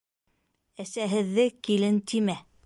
Әсәһеҙҙе «килен» тимә